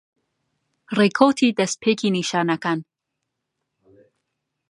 ڕێکەوتی دەستپێکی نیشانەکان